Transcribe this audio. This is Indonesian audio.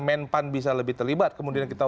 menpan bisa lebih terlibat kemudian kita